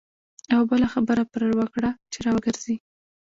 یوه بله خبره پر وکړه چې را وګرځي.